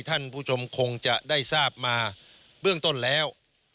ท่านผู้ชมคงจะได้ทราบมาเบื้องต้นแล้ว